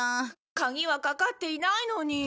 鍵はかかっていないのに。